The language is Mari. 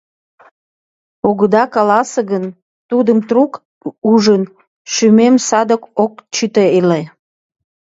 Огыда каласе гын, тудым трук ужын, шӱмем садак ок чыте ыле.